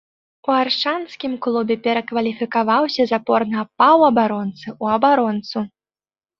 У аршанскім клубе перакваліфікаваўся з апорнага паўабаронцы ў абаронцу.